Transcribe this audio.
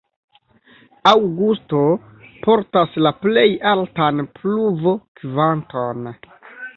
Aŭgusto portas la plej altan pluvo-kvanton.